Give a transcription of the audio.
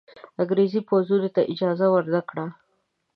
انګرېزي پوځونو ته اجازه ورنه کړه.